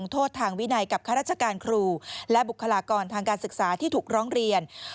โทษทางวินัยกับข้าราชการครูและบุคลากรทางการศึกษาที่ถูกร้องเรียน